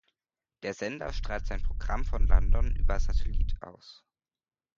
Der Sender strahlt sein Programm von London über Satellit aus.